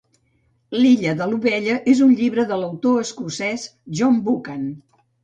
L'Illa de l'Ovella és un llibre de l'autor escocès John Buchan.